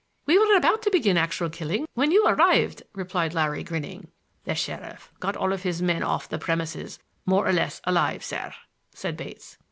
"We were about to begin actual killing when you arrived," replied Larry, grinning. "The sheriff got all his men off the premises more or less alive, sir," said Bates.